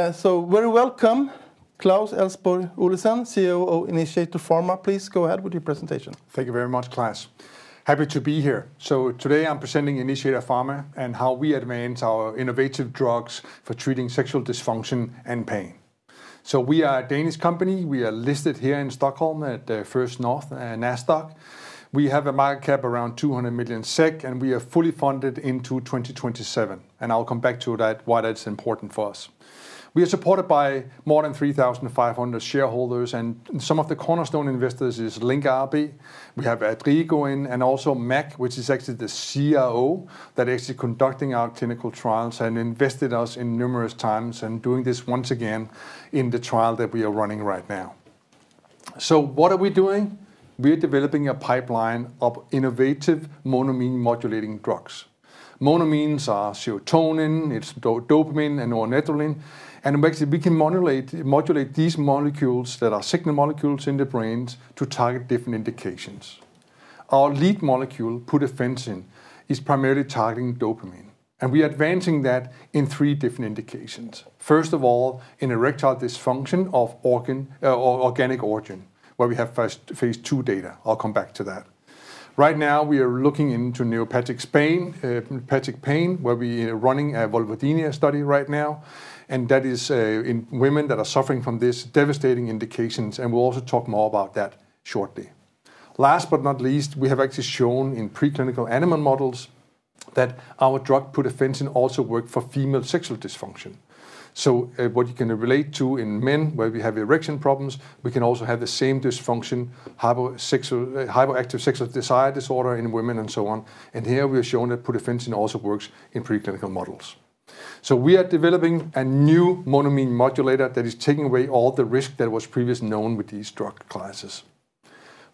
Very welcome Claus Elsborg Olesen, CEO Initiator Pharma. Please go ahead with your presentation. Thank you very much, Claus. Happy to be here. Today I'm presenting Initiator Pharma and how we advance our innovative drugs for treating sexual dysfunction and pain. We are a Danish company. We are listed here in Stockholm at First North, Nasdaq. We have a market cap around 200 million SEK, and we are fully funded into 2027, and I'll come back to that, why that's important for us. We are supported by more than 3,500 shareholders and some of the cornerstone investors is Linc AB, we have Adrigo, and also MAC, which is actually the CRO that is conducting our clinical trials and invested us in numerous times and doing this once again in the trial that we are running right now. What are we doing? We're developing a pipeline of innovative monoamine modulating drugs. Monoamines are serotonin, it's dopamine and norepinephrine. Actually, we can modulate these molecules that are signal molecules in the brains to target different indications. Our lead molecule, pudafensine, is primarily targeting dopamine. We are advancing that in three different indications. First of all, in erectile dysfunction of organ or organic origin, where we have phase two data. I'll come back to that. Right now, we are looking into neuropathic pain, where we are running a vulvodynia study right now. That is in women that are suffering from this devastating indications. We'll also talk more about that shortly. Last but not least, we have actually shown in preclinical animal models that our drug pudafensine also work for female sexual dysfunction. What you can relate to in men, where we have erection problems, we can also have the same dysfunction, Hypoactive Sexual Desire Disorder in women and so on. Here, we have shown that pudafensine also works in preclinical models. We are developing a new monoamine modulator that is taking away all the risk that was previously known with these drug classes.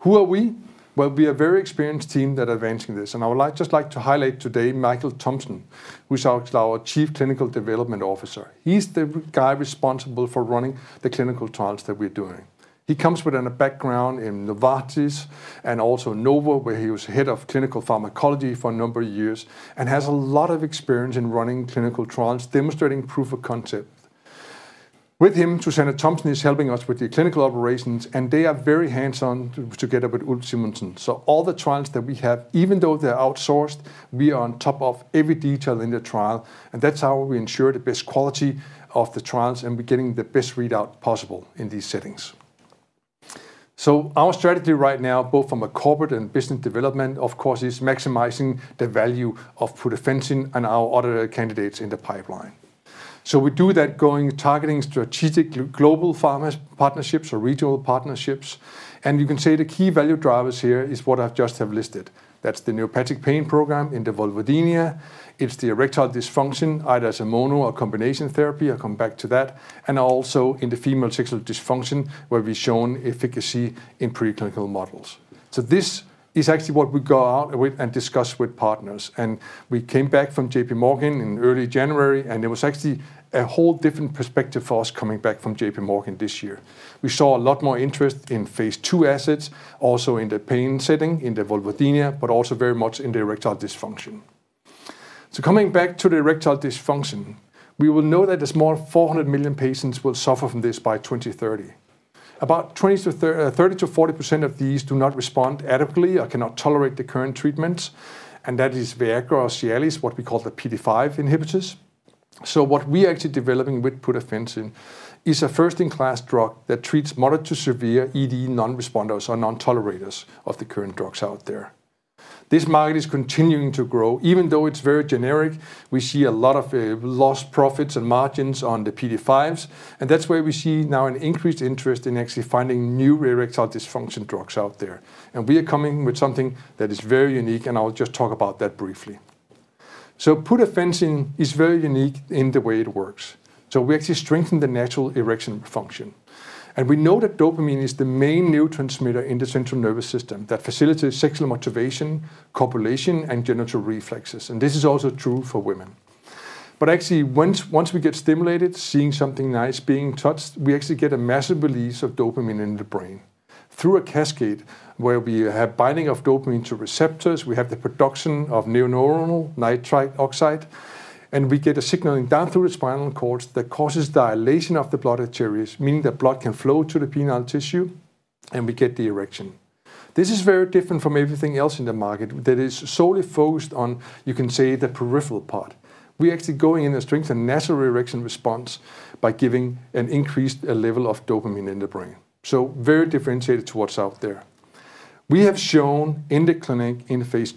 Who are we? Well, we are a very experienced team that are advancing this, and I would just like to highlight today Mikael Thomsen, who's our Chief Technical Development Officer. He's the guy responsible for running the clinical trials that we're doing. He comes with a background in Novartis and also Novo, where he was head of clinical pharmacology for a number of years and has a lot of experience in running clinical trials, demonstrating proof of concept. With him, [Susanne Thomsen] is helping us with the clinical operations. They are very hands-on together with Ulf Simonsen. All the trials that we have, even though they're outsourced, we are on top of every detail in the trial, and that's how we ensure the best quality of the trials, and we're getting the best readout possible in these settings. Our strategy right now, both from a corporate and business development, of course, is maximizing the value of pudafensine and our other candidates in the pipeline. We do that going targeting strategic global pharma partnerships or regional partnerships, and you can say the key value drivers here is what I just have listed. That's the neuropathic pain program in the vulvodynia. It's the erectile dysfunction, either as a mono or combination therapy. I'll come back to that. Also in the female sexual dysfunction, where we've shown efficacy in preclinical models. This is actually what we go out with and discuss with partners. We came back from JP Morgan in early January, and it was actually a whole different perspective for us coming back from JP Morgan this year. We saw a lot more interest in Phase II assets, also in the pain setting, in the vulvodynia, but also very much in the erectile dysfunction. Coming back to the erectile dysfunction, we will know that as more 400 million patients will suffer from this by 2030. About 30% -40% of these do not respond adequately or cannot tolerate the current treatments, and that is Viagra or Cialis, what we call the PDE5 inhibitors. What we are actually developing with pudafensine is a first-in-class drug that treats moderate to severe ED non-responders or non-tolerators of the current drugs out there. This market is continuing to grow. Even though it's very generic, we see a lot of lost profits and margins on the PDE5s, and that's where we see now an increased interest in actually finding new erectile dysfunction drugs out there. We are coming with something that is very unique, and I'll just talk about that briefly. Pudafensine is very unique in the way it works. We actually strengthen the natural erection function. We know that dopamine is the main neurotransmitter in the central nervous system that facilitates sexual motivation, copulation, and genital reflexes, and this is also true for women. Actually, once we get stimulated, seeing something nice, being touched, we actually get a massive release of dopamine in the brain. Through a cascade where we have binding of dopamine to receptors, we have the production of neuronal nitric oxide, and we get a signaling down through the spinal cord that causes dilation of the blood arteries, meaning that blood can flow to the penile tissue, and we get the erection. This is very different from everything else in the market that is solely focused on, you can say, the peripheral part. We're actually going in and strengthen natural erection response by giving an increased level of dopamine in the brain. Very differentiated to what's out there. We have shown in the clinic in phase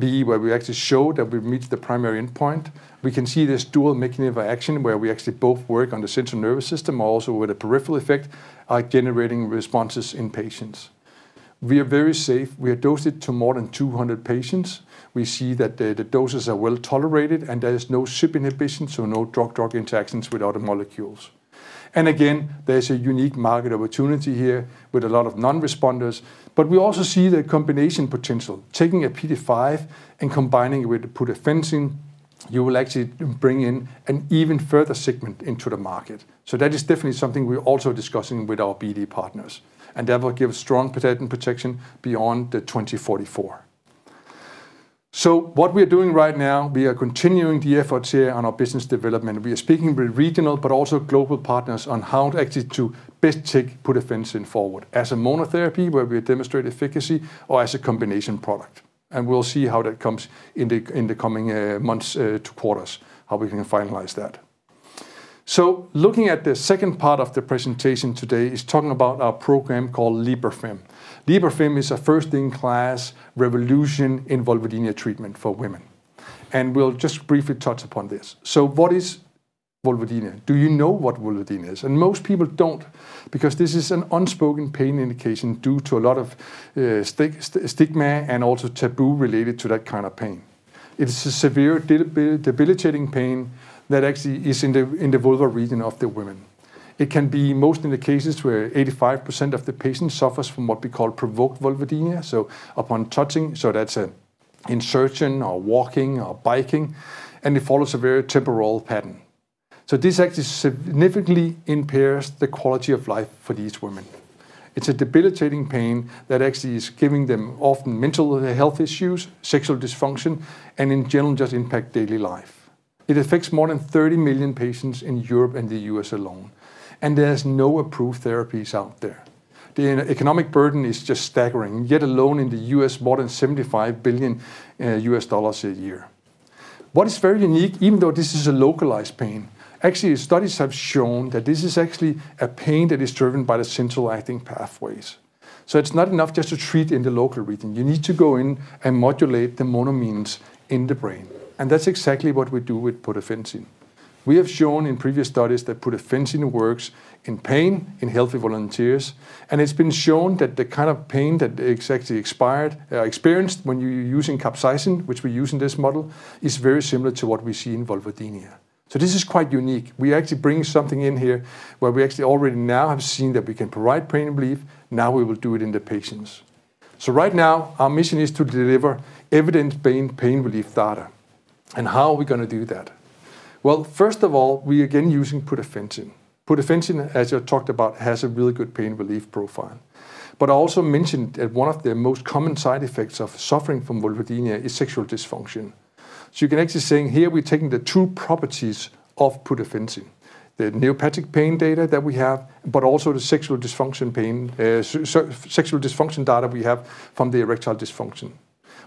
IIb, where we actually showed that we've reached the primary endpoint. We can see this dual mechanism of action, where we actually both work on the central nervous system, also with a peripheral effect, are generating responses in patients. We are very safe. We have dosed it to more than 200 patients. We see that the doses are well-tolerated, and there is no CYP inhibition, so no drug-drug interactions with other molecules. Again, there's a unique market opportunity here with a lot of non-responders. We also see the combination potential. Taking a PDE5 and combining it with the pudafensine, you will actually bring in an even further segment into the market. That is definitely something we're also discussing with our BD partners. That will give strong patent protection beyond the 2044. What we are doing right now, we are continuing the efforts here on our business development. We are speaking with regional but also global partners on how actually to best take pudafensine forward as a monotherapy, where we demonstrate efficacy, or as a combination product. We'll see how that comes in the coming months to quarters, how we can finalize that. Looking at the second part of the presentation today is talking about our program called Lierfem. Liberfem is a first-in-class revolution in vulvodynia treatment for women, and we'll just briefly touch upon this. What is vulvodynia? Do you know what vulvodynia is? Most people don't, because this is an unspoken pain indication due to a lot of stigma and also taboo related to that kind of pain. It is a severe debilitating pain that actually is in the vulvar region of the women. It can be most in the cases where 85% of the patient suffers from what we call provoked vulvodynia, so upon touching, so that's insertion or walking or biking, and it follows a very temporal pattern. This actually significantly impairs the quality of life for these women. It's a debilitating pain that actually is giving them often mental health issues, sexual dysfunction, and in general just impact daily life. It affects more than 30 million patients in Europe and the US alone. There's no approved therapies out there. The economic burden is just staggering, yet alone in the US, more than $75 billion a year. What is very unique, even though this is a localized pain, actually studies have shown that this is actually a pain that is driven by the central acting pathways. It's not enough just to treat in the local region. You need to go in and modulate the monoamines in the brain. That's exactly what we do with pudafensine. We have shown in previous studies that pudafensine works in pain in healthy volunteers. It's been shown that the kind of pain that exactly expired, experienced when you're using capsaicin, which we use in this model, is very similar to what we see in vulvodynia. This is quite unique. We actually bring something in here where we actually already now have seen that we can provide pain relief. Now we will do it in the patients. Right now, our mission is to deliver evidence pain relief data. How are we going to do that? First of all, we again using pudafensine. Pudafensine, as I talked about, has a really good pain relief profile. I also mentioned that one of the most common side effects of suffering from vulvodynia is sexual dysfunction. You can actually saying here we're taking the two properties of pudafensine, the neuropathic pain data that we have, but also the sexual dysfunction data we have from the erectile dysfunction.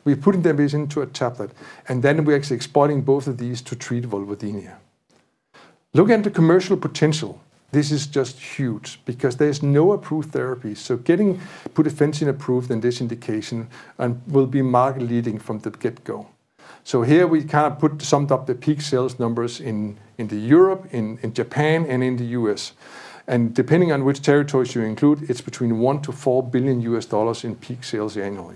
We're putting them into a tablet, and then we're actually exploiting both of these to treat vulvodynia. Looking at the commercial potential, this is just huge because there is no approved therapy. Getting pudafensine approved in this indication and will be market leading from the get go. Here we kind of summed up the peak sales numbers in Europe, in Japan, and in the U.S. Depending on which territories you include, it's between $1 billion-$4 billion in peak sales annually.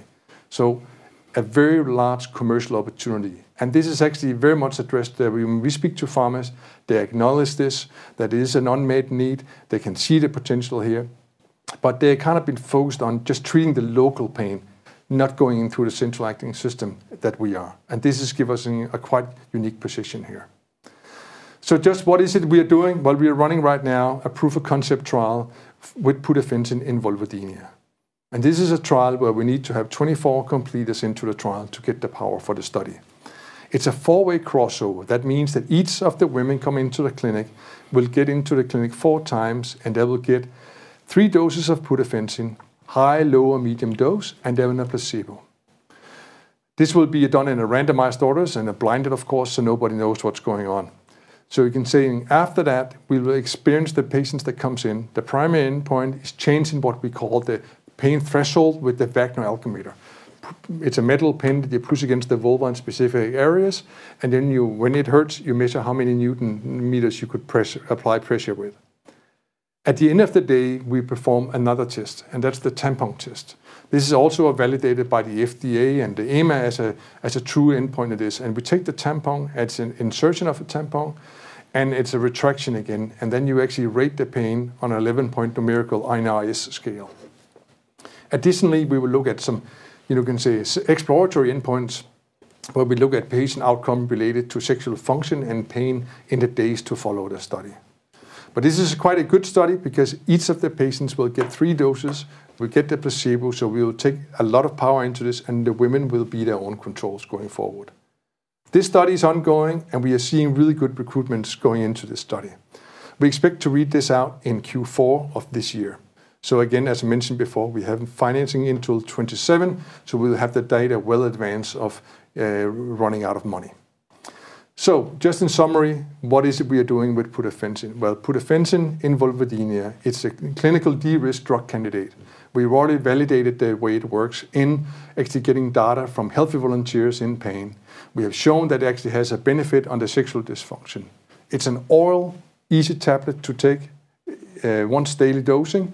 A very large commercial opportunity. This is actually very much addressed. When we speak to pharmas, they acknowledge this, that it is an unmet need. They can see the potential here, but they kind of been focused on just treating the local pain, not going in through the central acting system that we are. This has give us a quite unique position here. Just what is it we are doing? Well, we are running right now a proof of concept trial with pudafensine in vulvodynia. This is a trial where we need to have 24 completers into the trial to get the power for the study. It's a four-way crossover. That means that each of the women come into the clinic will get into the clinic four times, and they will get three doses of pudafensine, high, low, or medium dose, and then a placebo. This will be done in a randomized order and blinded, of course, nobody knows what's going on. We can say after that, we will experience the patients that come in. The primary endpoint is changing what we call the pain threshold with the Wagner algometer. It's a metal pin that you push against the vulva in specific areas, and then you, when it hurts, you measure how many Newtons you could press, apply pressure with. At the end of the day, we perform another test, and that's the tampon test. This is also validated by the FDA and the EMA as a true endpoint it is. We take the tampon, it's an insertion of a tampon, and it's a retraction again. You actually rate the pain on an 11-point numerical NRS scale. Additionally, we will look at some, you can say, exploratory endpoints, where we look at patient outcome related to sexual function and pain in the days to follow the study. This is quite a good study because each of the patients will get three doses. We get the placebo, so we will take a lot of power into this and the women will be their own controls going forward. This study is ongoing, and we are seeing really good recruitments going into this study. We expect to read this out in Q4 of this year. Again, as mentioned before, we have financing until 2027, so we'll have the data well in advance of running out of money. Just in summary, what is it we are doing with pudafensine? Well, pudafensine in vulvodynia, it's a clinical de-risked drug candidate. We've already validated the way it works in actually getting data from healthy volunteers in pain. We have shown that it actually has a benefit on the sexual dysfunction. It's an oral easy tablet to take, once daily dosing.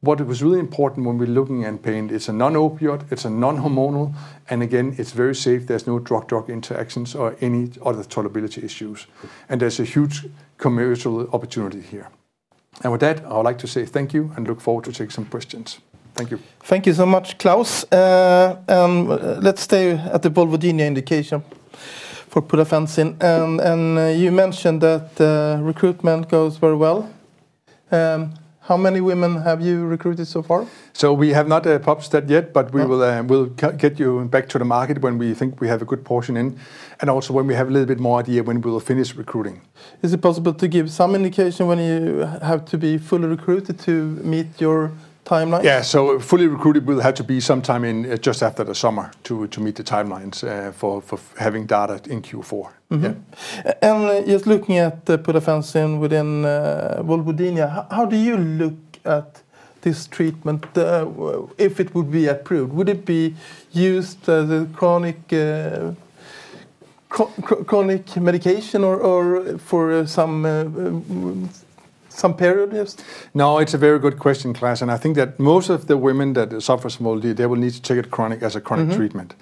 What was really important when we're looking at pain, it's a non-opioid, it's a non-hormonal, and again, it's very safe. There's no drug-drug interactions or any other tolerability issues. There's a huge commercial opportunity here. With that, I would like to say thank you and look forward to take some questions. Thank you. Thank you so much, Claus. Let's stay at the vulvodynia indication for pudafensine. You mentioned that the recruitment goes very well. How many women have you recruited so far? We have not published that yet. No... but we will, we'll get you back to the market when we think we have a good portion in, and also when we have a little bit more idea when we will finish recruiting. Is it possible to give some indication when you have to be fully recruited to meet your timeline? Yeah. Fully recruited will have to be sometime in just after the summer to meet the timelines for having data in Q4. Mm-hmm. Yeah. just looking at the pudendal nerve within vulvodynia, how do you look at this treatment if it would be approved? Would it be used as a chronic medication or for some periods? No, it's a very good question, Claes. I think that most of the women that suffers vulvodynia, they will need to take it chronic, as a chronic treatment.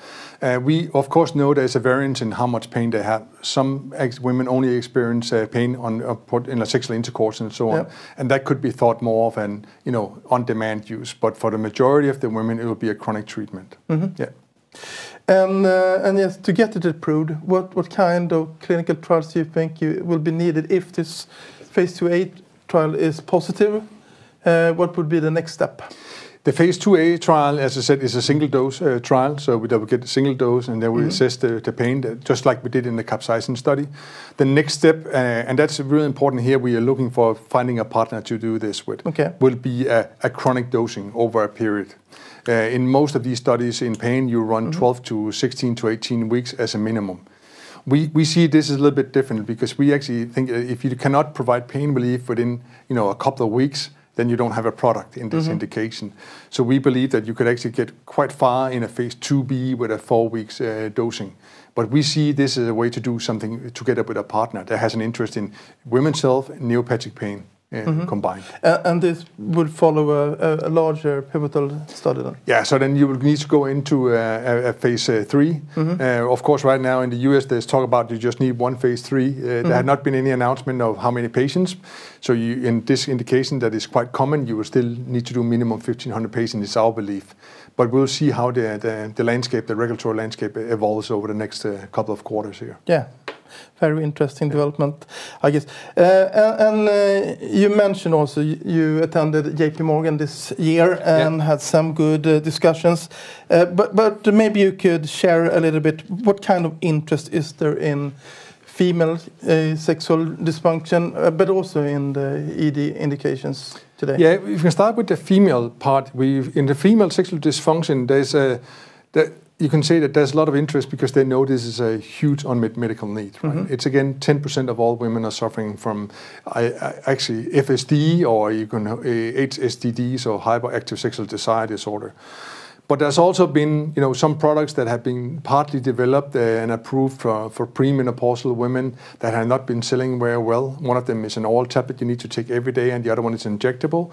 Mm-hmm. We of course know there's a variance in how much pain they have. Some women only experience pain on put... in a sexual intercourse and so on. Yeah. That could be thought more of an, you know, on-demand use. For the majority of the women, it will be a chronic treatment. Mm-hmm. Yeah. yes, to get it approved, what kind of clinical trials do you think you will be needed if this Phase IIa trial is positive, what would be the next step? The Phase IIa trial, as I said, is a single-dose, trial. We double get the single dose, and then we. Mm-hmm... assess the pain just like we did in the capsaicin study. The next step, and that's really important here, we are looking for finding a partner to do this. Okay will be a chronic dosing over a period. In most of these studies in pain. Mm-hmm... 12 to 16 to 18 weeks as a minimum. We see this as a little bit different because we actually think if you cannot provide pain relief within, you know, a couple of weeks, then you don't have a product in this indication. Mm-hmm. We believe that you could actually get quite far in a Phase IIb with a four weeks dosing. We see this as a way to do something together with a partner that has an interest in women's health and neuropathic pain. Mm-hmm combined. This would follow a larger pivotal study then? Yeah. You would need to go into a phase III. Mm-hmm. Of course, right now in the U.S., there's talk about you just need one phase III. Mm-hmm. There had not been any announcement of how many patients. In this indication that is quite common, you will still need to do minimum 1,500 patients is our belief. We'll see how the landscape, the regulatory landscape evolves over the next couple of quarters here. Yeah. Very interesting development- Yeah... I guess. You mentioned also you attended JP Morgan this year. Yeah... had some good discussions. maybe you could share a little bit, what kind of interest is there in female sexual dysfunction, but also in the ED indications today? Yeah. If we start with the female part, in the female sexual dysfunction, that you can say that there's a lot of interest because they know this is a huge unmet medical need, right? Mm-hmm. It's again, 10% of all women are suffering from, actually FSD, or you can have, HSDD, so hyperactive sexual desire disorder. There's also been, you know, some products that have been partly developed, and approved for premenopausal women that have not been selling very well. One of them is an oral tablet you need to take every day, and the other one is injectable.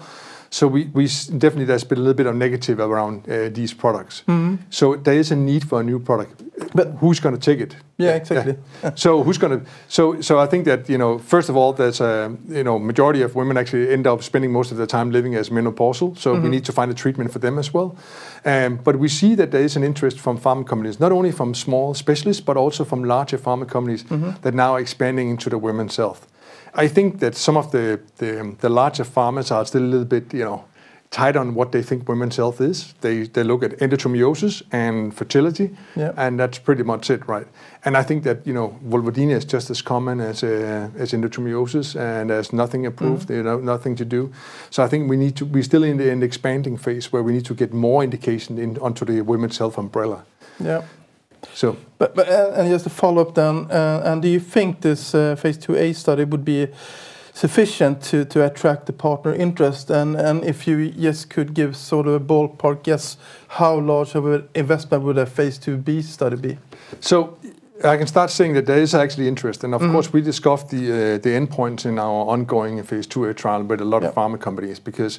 We definitely there's been a little bit of negative around, these products. Mm-hmm. There is a need for a new product. But- Who's gonna take it? Yeah, exactly. I think that, you know, first of all, there's a, you know, majority of women actually end up spending most of their time living as. Mm-hmm... We need to find a treatment for them as well. We see that there is an interest from pharma companies, not only from small specialists, but also from larger pharma companies. Mm-hmm... that now are expanding into the women's health. I think that some of the larger pharmas are still a little bit, you know, tight on what they think women's health is. They look at endometriosis. Yeah... and that's pretty much it, right? I think that, you know, vulvodynia is just as common as endometriosis, and there's nothing approved. Mm-hmm... you know, nothing to do. I think we're still in the expanding phase, where we need to get more indication onto the women's health umbrella. Yeah. So. Just to follow up then, and do you think this, phase IIa study would be sufficient to attract the partner interest? If you just could give sort of a ballpark guess, how large of a investment would a phase IIb study be? I can start saying that there is actually interest. Mm-hmm. Of course, we discussed the endpoint in our ongoing Phase IIa trial. Yeah... with a lot of pharma companies, because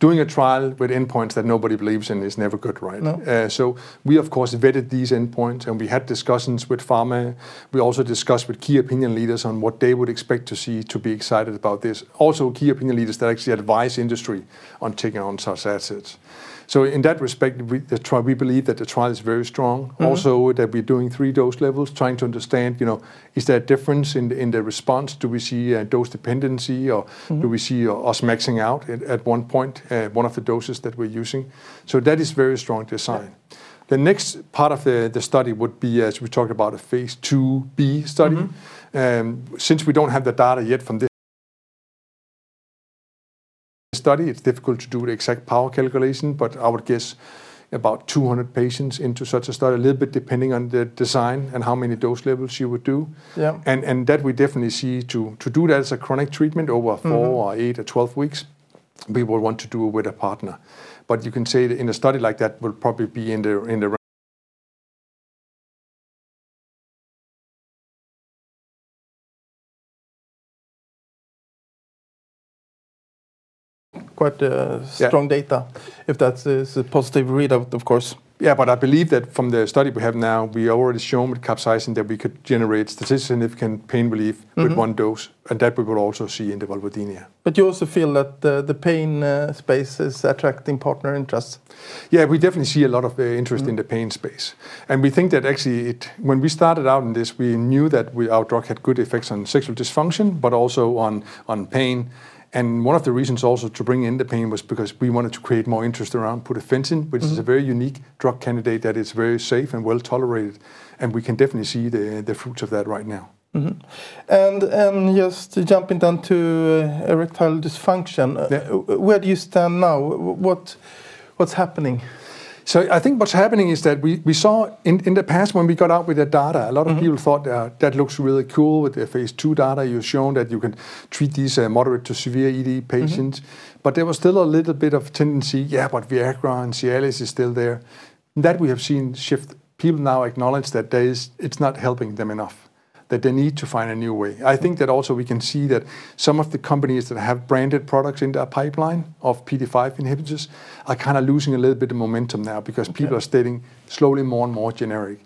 doing a trial with endpoints that nobody believes in is never good, right? No. We of course vetted these endpoints, and we had discussions with pharma. We also discussed with key opinion leaders on what they would expect to see to be excited about this. Key opinion leaders that actually advise industry on taking on such assets. In that respect, we believe that the trial is very strong. Mm-hmm. Also, that we're doing three dose levels, trying to understand, you know, is there a difference in the response? Do we see a dose dependency? Mm-hmm... do we see us maxing out at one point, one of the doses that we're using? That is very strong design. Yeah. The next part of the study would be, as we talked about, a Phase IIb study. Mm-hmm. Since we don't have the data yet from this study, it's difficult to do the exact power calculation, but I would guess about 200 patients into such a study, a little bit depending on the design and how many dose levels you would do. Yeah. That we definitely see to do that as a chronic treatment over four. Mm-hmm... or eight or 12 weeks, we will want to do with a partner. You can say in a study like that, we'll probably be in the.... quite, strong data- Yeah if that is a positive readout, of course. Yeah, I believe that from the study we have now, we already shown with capsaicin that we could generate significant pain relief... Mm-hmm... with one dose, and that we will also see in the vulvodynia. You also feel that the pain space is attracting partner interest? Yeah, we definitely see a lot of. Mm In the pain space. We think that actually when we started out in this, we knew that our drug had good effects on sexual dysfunction, but also on pain. One of the reasons also to bring in the pain was because we wanted to create more interest around pudafensine. Mm... which is a very unique drug candidate that is very safe and well-tolerated, and we can definitely see the fruits of that right now. Just jumping down to erectile dysfunction. Yeah. Where do you stand now? What, what's happening? I think what's happening is that we saw in the past when we got out with the data... Mm-hmm... a lot of people thought, that looks really cool. With the Phase II data, you're shown that you can treat these moderate to severe ED patients. Mm-hmm. There was still a little bit of tendency, yeah, but Viagra and Cialis is still there. We have seen shift. People now acknowledge that there is, it's not helping them enough, that they need to find a new way. I think that also we can see that some of the companies that have branded products in their pipeline of PDE5 inhibitors are kind of losing a little bit of momentum now because. Yeah... people are stating slowly more and more generic.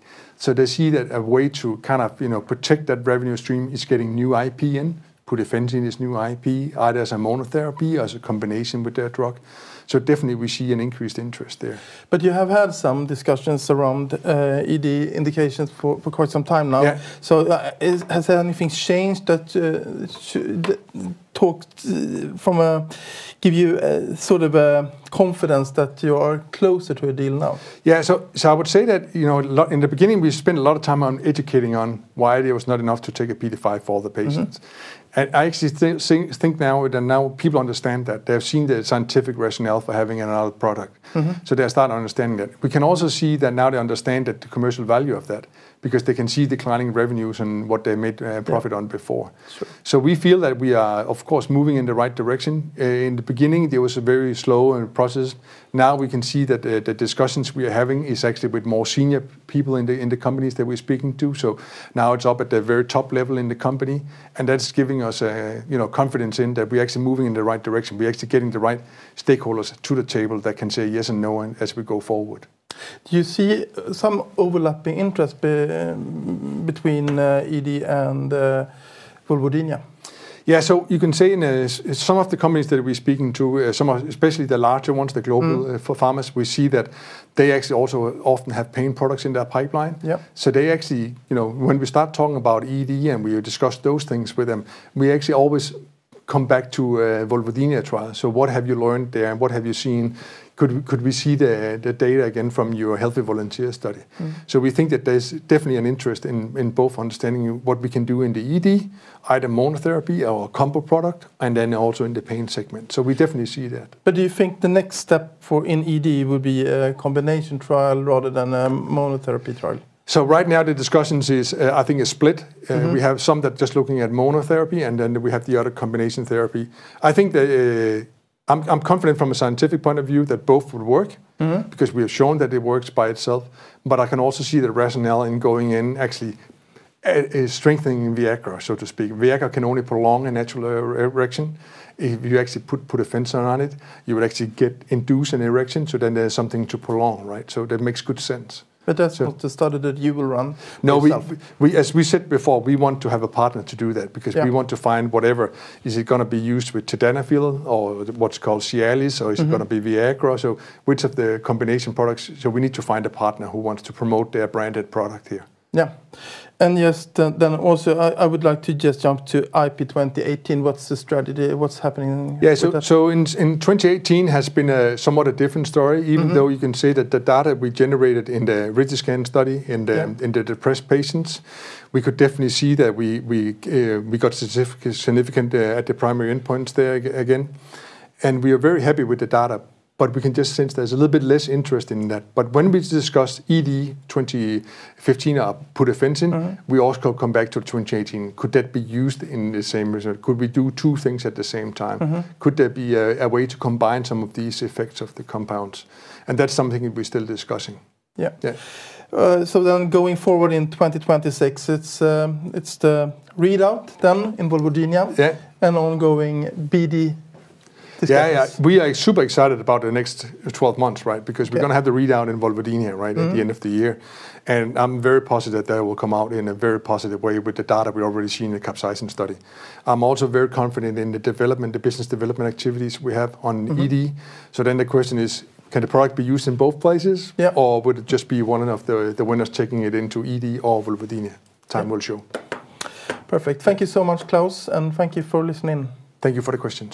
They see that a way to kind of, you know, protect that revenue stream is getting new IP in. Pudafensine is new IP, either as a monotherapy, as a combination with their drug. Definitely we see an increased interest there. You have had some discussions around, ED indications for quite some time now. Yeah. Has anything changed that talked from a, give you a sort of a confidence that you are closer to a deal now? Yeah, I would say that, you know, in the beginning we spent a lot of time on educating on why it was not enough to take a PDE5 for the patients. Mm-hmm. I actually think now that people understand that. They have seen the scientific rationale for having another product. Mm-hmm. They're start understanding that. We can also see that now they understand that the commercial value of that because they can see declining revenues and what they made profit on before. Sure. We feel that we are, of course, moving in the right direction. In the beginning, it was a very slow process. Now we can see that the discussions we are having is actually with more senior people in the companies that we're speaking to. Now it's up at the very top level in the company, and that's giving us a, you know, confidence in that we're actually moving in the right direction. We're actually getting the right stakeholders to the table that can say yes and no as we go forward. Do you see some overlapping interest between ED and vulvodynia? Yeah, you can say some of the companies that we're speaking to, some of, especially the larger ones, the global... Mm... pharmas, we see that they actually also often have pain products in their pipeline. Yeah. They actually, you know, when we start talking about ED and we discuss those things with them, we actually always come back to a vulvodynia trial. What have you learned there? What have you seen? Could we see the data again from your healthy volunteer study? Mm. We think that there's definitely an interest in both understanding what we can do in the ED, either monotherapy or a combo product, and then also in the pain segment. We definitely see that. Do you think the next step for in ED will be a combination trial rather than a monotherapy trial? Right now the discussions is, I think a split. Mm-hmm. We have some that just looking at monotherapy, and then we have the other combination therapy. I'm confident from a scientific point of view that both would work. Mm-hmm ...because we have shown that it works by itself, but I can also see the rationale in going in actually, is strengthening Viagra, so to speak. Viagra can only prolong a natural erection. If you actually put pudafensine on it, you would actually get induced an erection, so then there's something to prolong, right? That makes good sense. That's not the study that you will run yourself. No, we, as we said before, we want to have a partner to do that because. Yeah... we want to find whatever. Is it gonna be used with tadalafil or what's called Cialis... Mm-hmm... or is it gonna be Viagra? Which of the combination products, so we need to find a partner who wants to promote their branded product here. Yeah. Yes, then also I would like to just jump to IP2018. What's the strategy? What's happening? In 2018 has been a somewhat different story. Mm-hmm. Even though you can see that the data we generated in the RidgeScan study. Yeah... in the depressed patients, we could definitely see that we got significant at the primary endpoints there again, and we are very happy with the data. We can just sense there's a little bit less interest in that. When we discuss ED 2015, pudafenin- Uh-huh... we also come back to 2018. Could that be used in the same manner? Could we do two things at the same time? Mm-hmm. Could there be a way to combine some of these effects of the compounds? That's something that we're still discussing. Yeah. Yeah. Going forward in 2026, it's the readout then in vulvodynia. Yeah... and ongoing BD discussions. Yeah. We are super excited about the next 12 months, right? Yeah. We're gonna have the readout in vulvodynia. Mm-hmm... at the end of the year. I'm very positive that will come out in a very positive way with the data we're already seeing in capsaicin study. I'm also very confident in the development, the business development activities we have on ED. Mm-hmm. The question is, can the product be used in both places? Yeah. Would it just be one of the winners taking it into ED or vulvodynia? Time will show. Perfect. Thank you so much, Claus, and thank you for listening. Thank you for the questions.